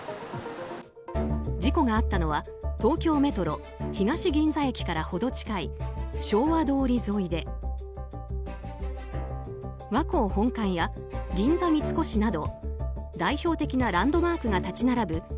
事故があったのは東京メトロ東銀座駅から程近い昭和通り沿いで和光本館や銀座三越など代表的なランドマークが立ち並ぶ